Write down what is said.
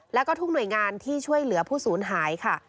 แล้วก็ทุกหน่วยงานที่ช่วยเหลือผู้ศูนย์หายค่ะ